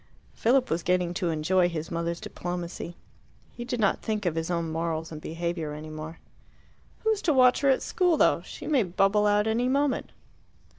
Philip was getting to enjoy his mother's diplomacy. He did not think of his own morals and behaviour any more. "Who's to watch her at school, though? She may bubble out any moment."